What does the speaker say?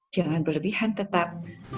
jangan berlebihan tetap